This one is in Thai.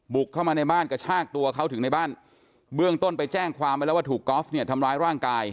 เข้ามาในบ้านกระชากตัวเขาถึงในบ้านเบื้องต้นไปแจ้งความไปแล้วว่าถูกกอล์ฟเนี่ยทำร้ายร่างกาย